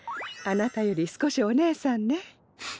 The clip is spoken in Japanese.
あなたより少しお姉さんね。